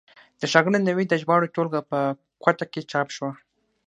د ښاغلي نوید د ژباړو ټولګه په کوټه کې چاپ شوه.